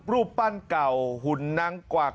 รูปปั้นเก่าหุ่นนางกวัก